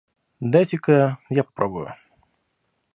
Дайте-ка я попробую.